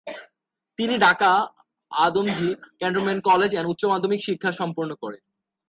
তিনি Dhaka Adamjee cantonment college থেকে উচ্চ মাধ্যমিক শিক্ষা সম্পন্ন করেন।